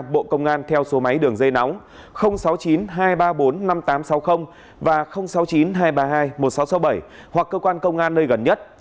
bộ công an theo số máy đường dây nóng sáu mươi chín hai trăm ba mươi bốn năm nghìn tám trăm sáu mươi và sáu mươi chín hai trăm ba mươi hai một nghìn sáu trăm sáu mươi bảy hoặc cơ quan công an nơi gần nhất